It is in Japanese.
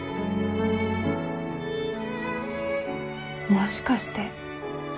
もしかして。